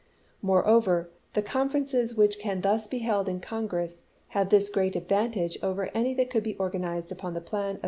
Moreover, the conferences which can thus be held in Congress have this great advantage over any that could be organized upon the plan of M.